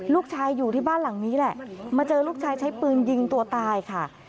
ลูกชายอยู่ที่บ้านหลังนี้แหละมาเจอลูกชายใช้ปืนยิงตัวตายค่ะ